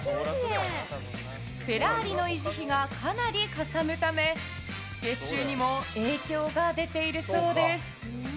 フェラーリの維持費がかなりかさむため月収にも影響が出ているそうです。